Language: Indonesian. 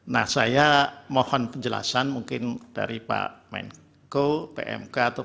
nah saya mohon penjelasan mungkin dari pak menko pmk atau pak menko pmk